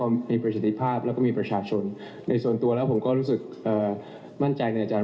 ว่ามีเป้าเดิมจะทำตัวของขนาดวันนอนยังไงครับ